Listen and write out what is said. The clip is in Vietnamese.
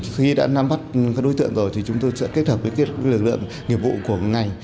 khi đã nắm bắt các đối tượng rồi thì chúng tôi sẽ kết hợp với lực lượng nghiệp vụ của ngành